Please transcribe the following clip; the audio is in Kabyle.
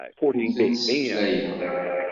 Ur tent-sneflayeɣ.